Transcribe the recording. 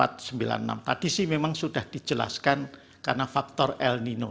tadi sih memang sudah dijelaskan karena faktor el nino